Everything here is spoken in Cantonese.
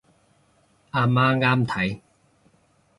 阿媽啱睇